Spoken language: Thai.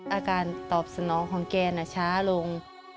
อาการตอบสนองของแกน่ะช้าลง